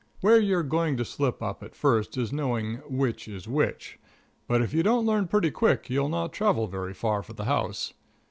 Where you're going to slip up at first is in knowing which is which, but if you don't learn pretty quick you'll not travel very far for the house.